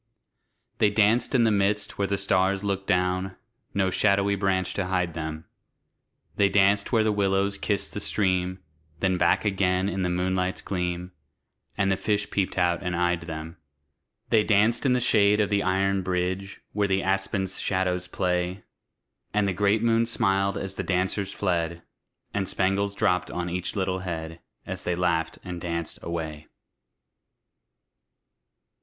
They danced in the midst where the stars look down No shadowy branch to hide them; They danced where the willows kiss the stream, Then back again in the moonlight's gleam, And the fish peeped out and eyed them. They danced in the shade of the iron bridge, Where the aspen's shadows play; And the great moon smiled as the dancers fled, And spangles dropped on each little head, As they laughed and danced away.